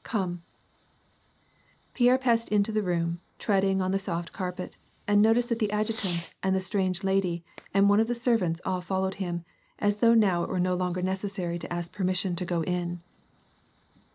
Come !"* Pierre passed into the room, treading on the soft carpet, and noticed that the adjutant and the strange lady and one of the servants all followed him, as though now it were no longer uecessary to ask permission to go in.